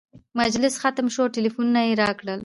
مجلس ختم شو او ټلفونونه یې راکړل.